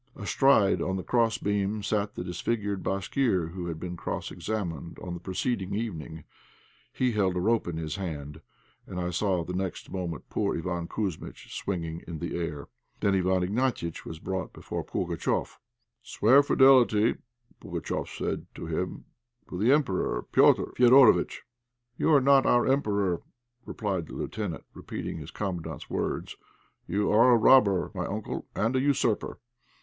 Astride on the crossbeam, sat the disfigured Bashkir who had been cross examined on the preceding evening; he held a rope in his hand, and I saw the next moment poor Iván Kouzmitch swinging in the air. Then Iwán Ignatiitch was brought before Pugatchéf. "Swear fidelity," Pugatchéf said to him, "to the Emperor, Petr' Fédorovitch!" "You are not our Emperor!" replied the lieutenant, repeating his Commandant's words; "you are a robber, my uncle, and a usurper."